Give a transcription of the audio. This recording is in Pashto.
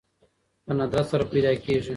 په ندرت سره پيدا کېږي